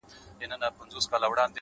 خدایه ته چیري یې او ستا مهرباني چیري ده؛